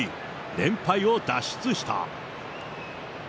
連敗を脱出した。